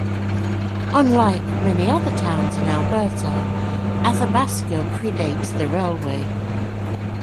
Unlike many other towns in Alberta, Athabasca predates the railway.